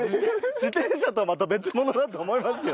自転車とはまた別物だと思いますよ。